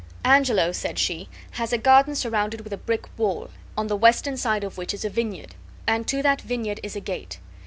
"Angelo," said she, "has a garden surrounded with a brick wall, on the western side of which is a vineyard, and to that vineyard is a gate."